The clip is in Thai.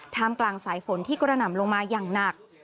กลางสายฝนที่กระหน่ำลงมาอย่างหนัก